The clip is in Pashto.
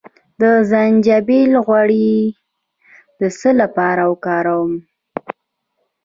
د زنجبیل غوړي د څه لپاره وکاروم؟